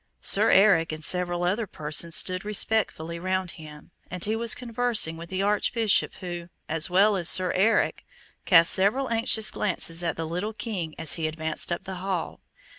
Sir Eric and several other persons stood respectfully round him, and he was conversing with the Archbishop, who, as well as Sir Eric, cast several anxious glances at the little Duke as he advanced up the hall.